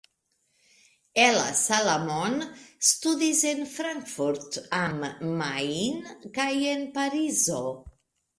Ella Salamon studis en Frankfurt am Main kaj en Parizo.